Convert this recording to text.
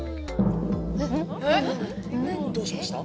えっ？どうしました？